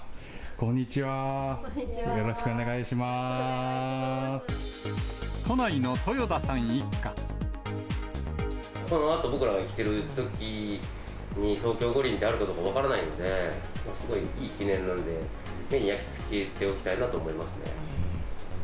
このあと僕らが生きてるときに東京五輪があるかどうか分からないので、すごいいい記念なんで、目に焼き付けておきたいなと思いますね。